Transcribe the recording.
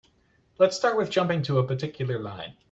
Let's start with jumping to a particular line.